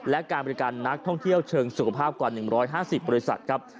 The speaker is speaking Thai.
และการบริการนักท่องเที่ยวเชิงสุขภาพกว่า๑๕๐บริษัทครับ